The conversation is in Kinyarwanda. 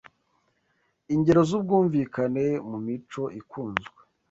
Ingero zubwumvikane mumico ikunzwe